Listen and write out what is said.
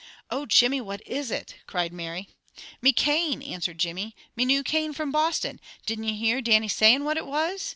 "Oh, Jimmy, what is it?" cried Mary. "Me cane!" answered Jimmy. "Me new cane from Boston. Didn't you hear Dannie sayin' what it was?